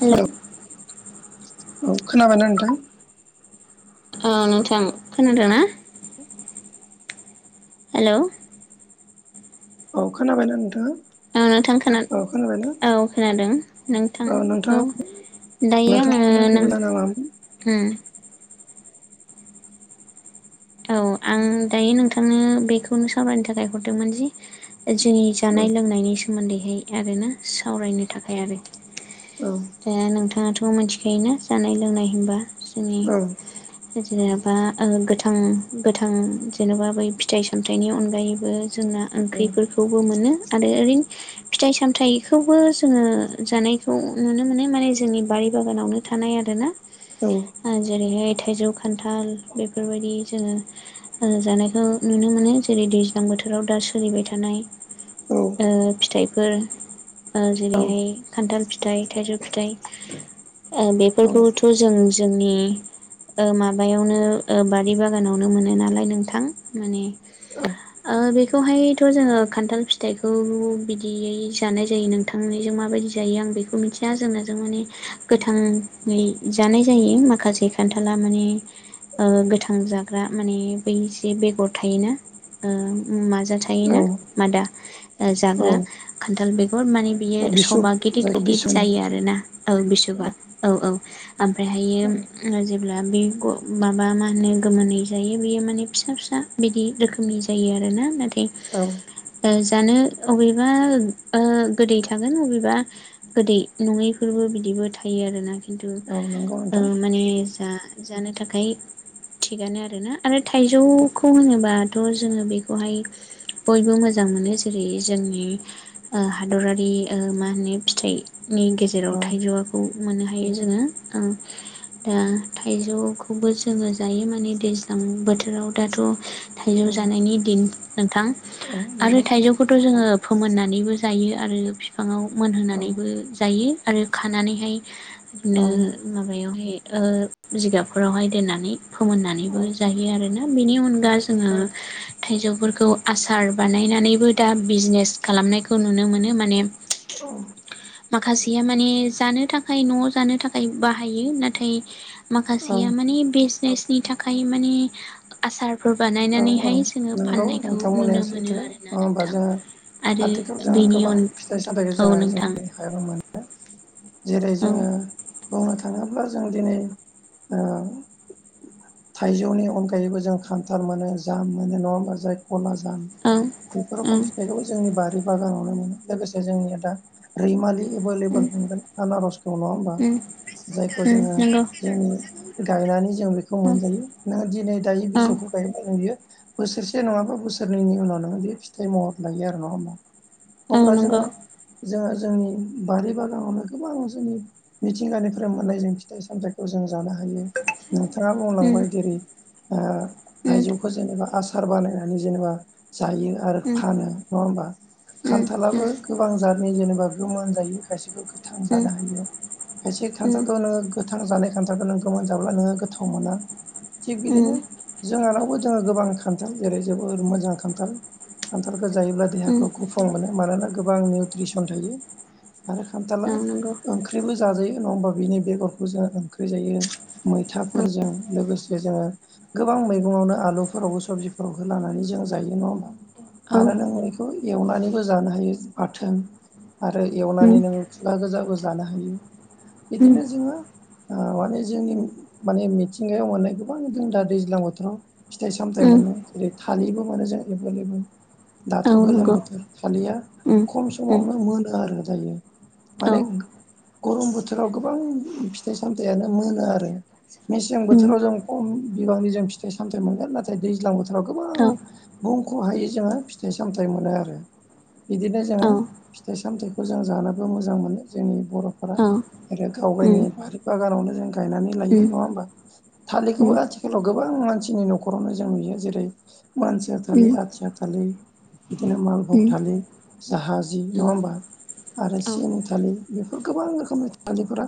हेल' औ औ खोनाबायना नोंथां औ नोंथां खोनादों ना हेल' औ खोनाबायना नोंथाङा औ नोंथां खोना औ खोनाबायना औ खोनादों नोंथां औ दा आङो नोंथाङा हरनाय गुबै नों जाहोना मामोन उम औ आं दायो नोंथांनो बेखौनो सावरायनो थाखाय हरदोंमोन जि जोंनि औ जानाय लोंनायनि सोमोन्दैहाय आरोना सावरायनो थाखाय आरो औ दा नोंथाङाथ' मिथिखायोना जानाय लोंनाय होनबा जुनि औ जेनेबा ओ गोथा थां गोथां जेनेबा बै फिथाइ सामथाइनि अनगायैबो जोंना ओंख्रिफोरखौबो मो नो आरो ओरैनो फिथाइ सामथखौबो जोङो जानायखौ नुनो मोनो माने जोंनि बारि बागानावनो थानाय आरो ना औ जेरैहाय थाइजौ खान्थाल बेफोरबाय दि जोङो जानायखौ नुनो मोनो जेरै दैज्लां बोथोराव दा सोलिबाय थानाय औ ओ फिथाइफोर ओ जेरैहाय खान्थाल फि थाइ थाइजौ फिथाइ ओ बेफोरखौथ' जों जोंनि माबायावनो ओ बा दि बागानावनो मोनो नालाय नोंथां माने बेओ खौहायथ' जोङो खान्थाल फिथाइखौ बिदियै जानाय जायो नोंथांनि जों माबायदि जायो आं बेखौ मिथिया जोंनाजों माने गोथाङै जानाय जायो माखासे खान्थाला माने ओ गो थां जाग्रा माने बैएसे बेगर थायोना ओ मा जा थाङो औ ना मादा औ जाग्रा खानथाल बे गर माने औ बियो बिसु सबा गिदद जायखौ गिदिर बिसु होनो जायो आरो ना औ बिसबा औ औ ओमफ्रायहायो जेब्ला बे माबा मा होनो गोमोनै जायो बियो माने फिसा फिसा बिदि रोखोमनि जायो आरोना नाथाय औ जानो अबेबा ओ गोदै थागोन अबेबा गोदै नङैफोरबो बिदिबो थायो आरोना खिन्थु औ नंगौ नोंथां माने जानो थाखाय थिगानो आरोना आरो थाइजौखौ होनोबाथ' जोङो बेखौहाय बयबो मोजां मो नो जेरै जोंनि हादरारि मा होनो फिथाइ नि गेजेराव औ थाइजौखौ मोननो हायो जोङो दा थाइजौखौबो जोङो जायो माने दैज्लां बोथोराव दाथ' औ थाइजौ जानायनि दिन नोंथां औ आरो नंगौ थाइजौखौथ' जोङो फोमोननानैबो जायो आरो बिफाङाव औ मोनहोनानैबो जायो आरो खानानैहाय औ बिदिनो माबायावहाय जिगाबफोरावहाय दोननानै औ फोमोननानैबो जायो आरोना बेनि अनगा जोङो औ थाइजौफोरखौ आसार बानायनानैबो दा बिजनेस खालामनायखौ नुनो मोनो माने माखासेया माने जानो थाखाय न'आव जानो थाखाय बाहायो नाथाय माखासेया माने बिजनेसनि थाखाय माने आसार फोर औ बानायनानैहाय जोङो नंगौ फाननायखौ नोंथां बुंनाया नुनो मोनो सैथो नङा आरोना होमबा नोंथां जोङो आरो आथिखालाव जोंहा बेनि गोबां अन फिथाइ सामथाइखौ औ जोंहा नोंथां जोंनि हायाव मोनो जेरै औ जोङो बुंनो थाङोब्ला जों दिनै ओ थाइजौनि अनगायैबो जों खान्थाल मोनो जाम मोनो नङा होमबा जाय गला [unintelligible] जाम औ बेफोर रखम औ फिथाइखौ जोंनि बारि बागानाव नुनो मोनो लोगोसे जोंनिया दा रैमालि एभलेबोल उम मोनगोन आनारस दङ नङा होमबा उम जायखौ उम जोङो नंगौ जोंनि गायनानै जों बेखौ उम मोनजायो नों दिनै दायो औ बिजौखौ गायो नों [unintelligible] बियो बोसोरसे नङाबा बोसोरनै उन नोङो बे फिथाइ महर लायो आरो नङा होमबा औ अब्ला जोङो नंगौ जोङो जोंनि बारि बागानावनो गोबां जोंनि मिथिंगानिफोर मोननाय जों फिथाइ सामथाइखौ जों जानो हायो नोंथाङा उम बुंलांबाय जेरै उम थाइजौखौ जेनेबा आसार सार बानायनानै जेनेबा जायो आरो उम फानो नङा होमबा उम खान्थालाबो गोबां जातनि जेनेबा गोमोन जायो खायसेखौ गोथां उम जानो हायो खायसे उम खान्थालखौ नोङो गोथां जानाय नों मोनजाब्ला नोङो गोथाव मोना थिग बिदिनो उम जोंहानावबो जोङो गोबां खान्थाल जेरै जोबोर मोजां खान्थाल खान्थाल जायोब्ला उम देहाखौ गुफुं मोनो मानोना गोबां निउट्रिसन थायो आरो खान्थाला औ नंगौ ओंख्रिबो जाजायो नङा होमबा बेनि बेगरखौ जों ओंख्रि जायो मैथाफोरजों लोगोसे से जोङो गोबां मैगङावनो आलुफोरावबो सबजिफोरावबो लानानै जों जायो नङा होमबा औ आरो नों बेखौ एवनानैबो जानो हायो बाथोन आरो उम एवनानै नोङो खुगा गोजाबो जानो हायो उम बिदिनो जोङो ओ माने जोंनि माने मिथिंगायाव मोननाय गोबां दों दा दैज्लां बोथोराव फिथाइ सामथाइ उम मोनो जेरै थालिरबो मोनो जों एबोल एबोल दाथ' औ गोलोम नंगौ बोथोर थालिरा उम खम उम समावनो मोनो आरो दायो औ माने गरम बोथोराव गोबां फिथाइ सामथाइयानो मोनो आरो मेसें उम बोथोराव जों खम बिबांनि जों फिथाइ सामथाइ मोनगोन नाथाय दैज्लां बोथोराव औ गोबां बुंख'हायै जोङो गोबां फिथाइ सामथाइ मोनो आरो बिदिनो जोङो औ फिथाइ सामथाइखौ जों जानो मोजां मोनो जोंनि बर'फोरा औ उम गाव उम गावनि बारि बागानाव जों गायनानै लायो उम नङा होमबा थालिरखौबो उम आथिखालाव गोबां मानसिनि न'खरावनो जों नुयो जेरै मानसिया उम थालिर आथिया थालिर बिदिनो मालभग उम थालिर जाहाजि नङा होमबा आरो औ सिनि थालिर बेफोर गोबां रोखोमनि थालिरफोरा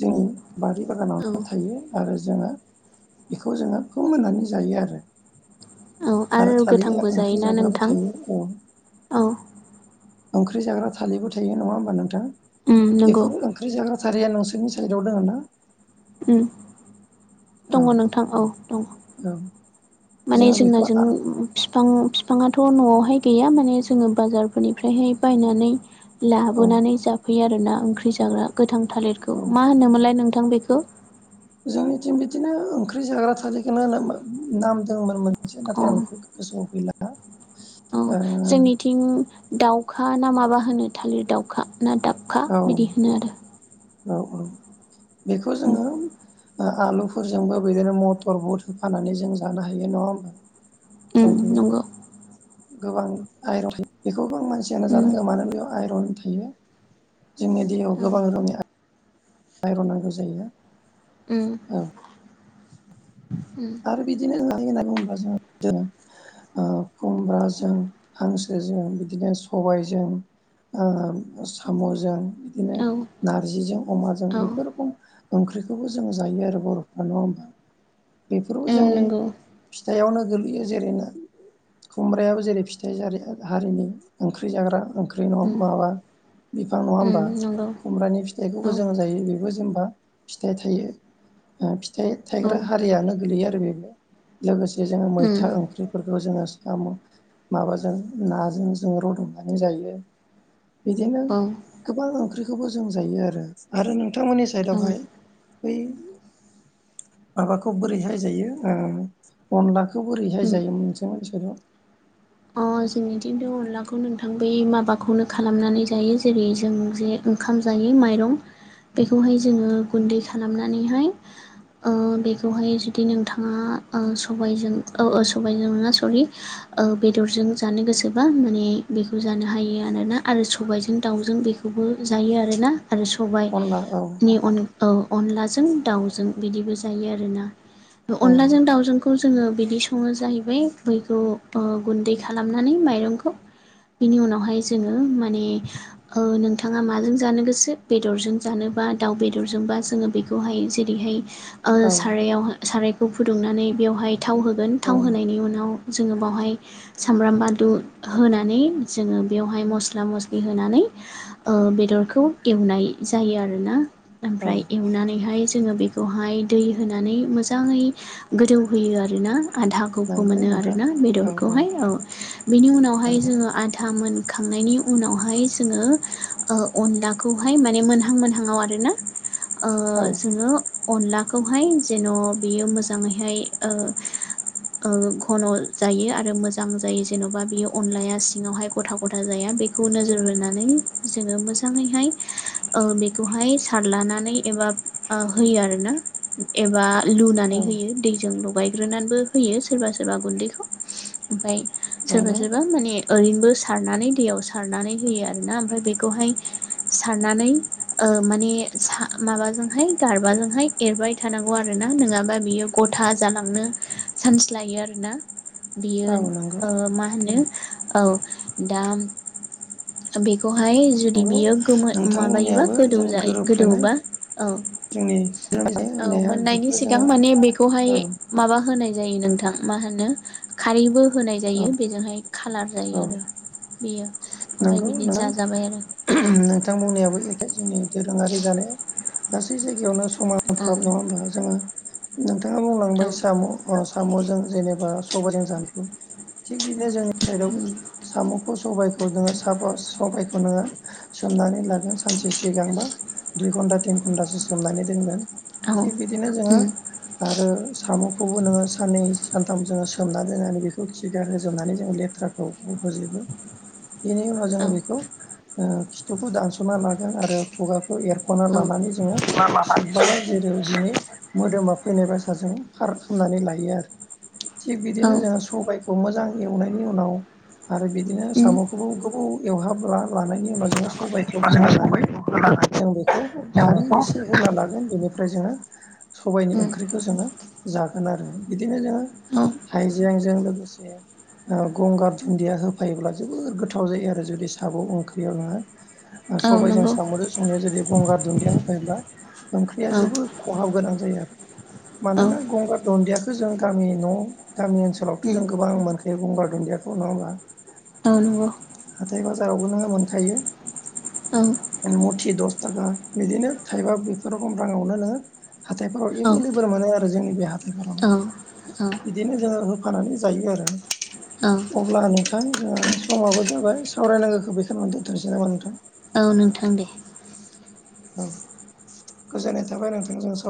जोंनि बारि औ बागानावनो औ थायो आरो जोङो बेखौ जोङो फोमोननानै जायो आरो औ आरो थालिरा गोथांबो ओंख्रि जायोना जाग्राबो नोंथां थायो औ औ ओंख्रि जाग्रा थालिरबो थायो नङा होमबा नोंथां उम नंगौ बेफोर ओंख्रि जाग्रा थालिरा नोंसोरनि साइडआव दङ ना ओम औ दङ नोंथां औ दङ औ माने जोङो बेखौ जोंनाजों आ बिफां बिफाङाथ' न'आवहाय गैया माने जोङो बाजारफोरनिफ्रायहाय बायनानै औ लाबोनानै जाफैयो आरोना ओंख्रि जाग्रा गोथां थालिरखौ औ मा होनोमोनलाय नोंथां थां बेखौ जोंनिथिं बिदिनो ओंख्रि जाग्रा थालिरखौनो नाम दंमोन मोनसे नाथाय अ आं बेखौ गोसो [unintelligible] औ जोंनिथिं दाउखा ना माबा होनो थालिर दाउखा ना दाबखा औ बिदि होनो आरो औ औ बेखौ जोङो आलुफोरजोंबो बिदिनो मटर बुट होफानानै जों जानो हायो नङा होमबा जों ओम बेयाव नंगौ गोबां आइरन थायो बेखौ गोबां मानसियानो उम जानांगौ मानो बेयाव आइरन थायो जोंनि देहायाव गोबां रोखोमनि आ आइरन नांगौ जायो उम औ। उम आरो बिदिनो [unintelligible] ओ खुमब्राजों हांसोजों बिदिनो सबायजों। ओ साम'जों बिदिनो औ नारजिजों अमाजों औ बेफोर रोखोम ओंख ओंख्रिखौबो जों जायो आरो बर'फ्रा नङा होमबा? [inaudible] बेफोरबो औ जोंनि नंगौ फिथाइआवनो गोग्लैयो जेरैनो। खुमब्रायाबो जेरै फिथाइ जा हारिनि ओंख्रि जाग्रा ओं ओंख्रि नङा उम माबा बिफां नङा उम होमबा नंगौ खुमब्रानि औ फिथाइखौबो जों जायो बेबो जेनेबा फिथाइ थायो फिथाइ औ थायग्रा हारियानो गोलैयो आरो बेबो लोगोसे। जों उम मैथा ओंख्रि फोरखौ जोङो स'म माबाजों नाजों जों रुद'नानै जायो। बिदिनो औ गोबां ओंख्रिखौबो जों जायो आरो आरो नोंथांमोननि औ उम साइदावहाय बै माबाखौ बोरैहाय जायो अनला बेखौ बोरैहाय जायोमोनसो मानसोरो अ जोंनिथिं' अनलाखौ नोंथां बै माबाखौनो खालामनानै जायो जेरै जों जे ओंखाम जायो बेखौहाय जोङो गुन्दै खालामनानै। बेखौहाय जुदि नोंथाङा सबायजों सबायजों नङख सरि बेदरजों जानो गोसोबा माने बेखौ जानो हायो आरोना आरो सबायजों दाउजों बेखौबो जा रो आरो ना। आरो अनला औ सबायाइनि अनलाजों दाउजों बिदिबो जायो आरोना। औ अनलाजों दाउजोंखौ जोङो बिदि सङो जाहैबाय मैगौ। गुन्दै खालामनानै माइरंखौ। बिनि उनावहाय जोङो माने नोंथाङा माजों जानो गोसो बेदरजों जानो। बा दाउ बेदरजोंबा जोङो बेखौहाय जेरैहाय औ सारायाव सारायखौ फुदुंनानै बेवहाय थाव होगोन औ थाव होनायनि उनाव जोङो बावहाय सामब्राम बानलु होनानै जोङो बेयावहाय मस्ला मस्लि होनानै। बेदरखौ एवनाय जायो आरोना औ ओमफ्राय एवनानैहाय जोङो बेखौहाय दै होनानै मोजाङै गोदौहोयो आरोना। आधाखौबो नंगौ मोनो नोंथां आरोना औ बेदरखौहाय औ बिनि उनावहाय नंगौ जोङो आधा मोन। खांनायनि उनावहाय जोङो अनलाखौहाय माने मोनहां मोनहांआव आरोना। औ आं जोङो अनलाखौहाय जेन' बियो मोजाङैहाय घन' जायो आरो। आरो मोजां जायो जेन'बा बियो अनलाया सिङावहाय गथा गथा जाया बेखौ नोजोर होनानै जों ओ मोजाङैहाय बेखौहाय सारलानानै एबा होयो आरोना एबा लुनानै औ होयो दैजों लगायग्रोनानैबो होयो सोरबा सोरबा गुन्दैखौ ओमफ्राय। सोरबा नंगौ सोरबा माने ओरैनोबो सारनानै दैयाव सारनानै होयो आर ना ओमफ्राय बेखौहाय सारनानै माने माबाजोंहाय गारबाजोंहाय एरबाय थानांगौ आरोना नङाबा बियो गथा जालांनो सान्स लोयो आरो ना। औ नंगौ बियो मा होनो औ दा बेखौ ओमाय जुदि नंगौ बियो गो नोंथां माबायोबा बुंनायाबो गोदौ जों जायो गोरोबफ्लेनाय गोदौबा औ। जोंनि सोलोंथाइ लानाय औ होननाया मोननायनि बेफोरो सिगां जोङो माने बेखौहाय औ माबा होनाय। नोंथां मा होनो खारैबो होनाय जायो बेजोंहाय खाालार औ जायो आरो बेयो। नंगौ नोंथां नोंथां बुंनायाबो जोंनि दोरोङारि जानाया गासै जायगायावनो औ समानफ्राब नङ होमब्ला जोङो। नोंथाङा औ बुंलांबाय साम' साम'जों जेनेबा सबायाइजों जानफु थिग बिदिनो जोंनि साइदावबो उम साम'खौ सबायखौ खौ नोङो साफ सफाइखौ नोङो सोमनानै लागोन सानसे सिगांबा दुइ घन्टा थिन घन्टासो सोमनानै दोनगोन औ थिग बिदिनो जोङो उम आरो साम'खौबो नोङो साननै सानथाम जोङो सोमनानै दोननानै बेखौ खिगार होजोबनानै जोङो लेथ्राखौ फोजोबो [inaudible] बेनि उनाव जोङो औ बेखौ खिथुखौ दानस'ना लागोन आरो खुगाखौ एरख'ना औ लानानै जोङो [unintelligible] जेरै बिनि मोदोमा फैनाय बासाजों फार खालामनानै लायो आरो थिग बिदिनो औ जोङो सबायखौ मोजां एवनायनि उनाव आरो बिदिनो उम साम' गोबौ गोबौ एवहाबना लानायनि उनाव जोङो सबायखौ बिदिबा जोङो होलानानै सबायखौ होलानानै जों बेखौ जों खारै बेखौ एसे होना लागोन बेनिफ्राय जोङो सबायनि उम ओंख्रिखौ जोङो जागोन आरो बिदिनो जोङो औ हाइजेंजों लोगोसे गंगार दुन्दिया होफायोब्ला जोबोर गो थाव जायो आरो जुदि सागं ओंख्रियावहा औ सबायजों नंगौ साम'जों संनायाव जेरै गंगार दुन्दिया होफायोब्ला ओंख्रिया औ जोबोद खहाब गोनां जायो आरो औ मानोना गंगार दुन्दियाखौ जों गामि न' गामि ओनसोलावथ' उम जों गोबां मोनखायो गंगार दुन्दिया बेखौ नङा होनबा औ नंगौ हाथाय बाजारावबो नोङो मोनखायो औ मुथि दस थाखा बिदिनो थाइबा बेफोर बायदि राङावनो नोङो हाथायफोराव एभेलेबोल मोनो आरो जोंनि बे हाथायफोराव औ बिदिनो जोङो होफानानै जायो आरो औ अब्ला नोंथां जोंहा समाबो जाबाय सावरायनांगौखौ बेखिनियावनो दोनथ'नोसै नामा नोंथां औ नोंथां दे औ गोजोननाय थाबाय नोंथांनिसिमबो